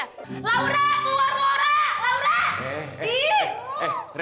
laura keluar laura laura